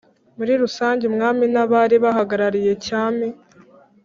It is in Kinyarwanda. muri rusange:– umwami n' abari bahagarariye cyami